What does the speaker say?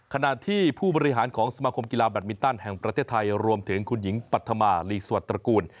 ขณะที่ผู้บริหารของสมาคมกีฬาแบตมินตันแห่งประเทศไทยรวมถึงคุณหญิงปัธมาลีสวัสดิตระกูล